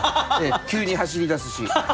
急に走りだすし。